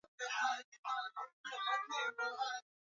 Alipata kura mia moja ishirini na sita